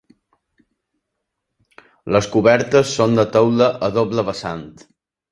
Les cobertes són de teula a doble vessant.